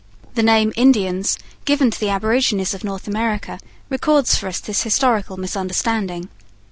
The name 'Indians,' given to the aborigines of North America, records for us this historical misunderstanding.